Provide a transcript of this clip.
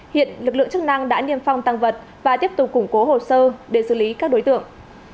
hiện lực lượng chức năng đã niêm phong tăng vật và tiếp tục củng cố hồ sơ để xử lý các đối tượng